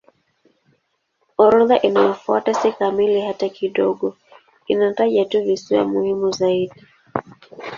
Orodha inayofuata si kamili hata kidogo; inataja tu visiwa muhimu zaidi.